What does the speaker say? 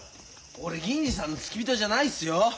俺銀次さんの付き人じゃないっすよ。